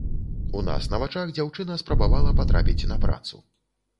У нас на вачах дзяўчына спрабавала патрапіць на працу.